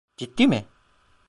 Ciddi mi?